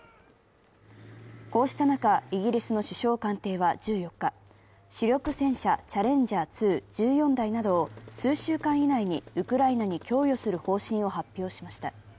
こうした中、イギリスの首相官邸は１４日、主力戦車チャレンジャー２、１４台などを数週間以内にウクライナに供与する方針を発表しました。